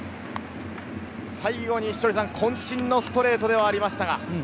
最後に、渾身のストレートではありましたが。